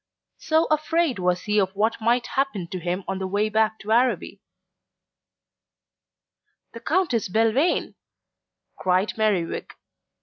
So afraid was he of what might happen to him on the way back to Araby. "The Countess Belvane!" cried Merriwig.